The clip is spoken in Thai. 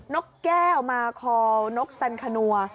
นกแก้วมาคอลนกสันคัว